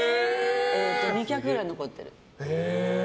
２脚ぐらい残ってる。